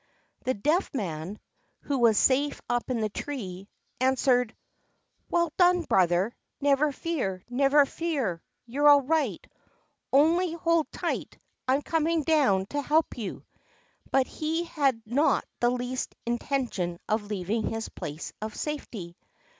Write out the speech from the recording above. The Deaf Man (who was safe up in the tree) answered: "Well done, brother! never fear! never fear! You're all right, only hold on tight. I'm coming down to help you." But he had not the least intention of leaving his place of safety.